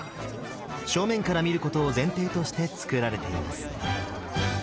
正面から見ることを前提としてつくられています。